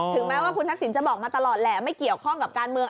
แม้ว่าคุณทักษิณจะบอกมาตลอดแหละไม่เกี่ยวข้องกับการเมือง